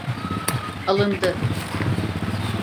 Alındı.